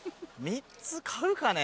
３つ買うかね？